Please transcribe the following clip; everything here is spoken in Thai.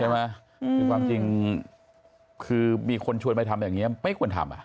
คือความจริงคือมีคนชวนไปทำอย่างนี้ไม่ควรทำ